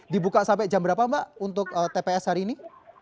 dibuka sampai jam berapa mbak untuk tps hari ini